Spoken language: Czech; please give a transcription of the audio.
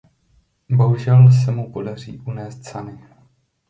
Bohužel se mu podaří unést Sunny.